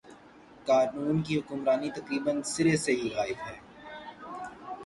قانون کی حکمرانی تقریبا سر ے سے غائب ہے۔